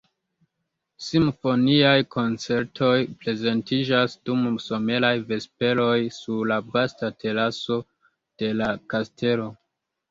Simfoniaj koncertoj prezentiĝas dum someraj vesperoj sur la vasta teraso de la kastelo.